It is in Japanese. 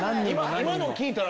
今のを聞いたら。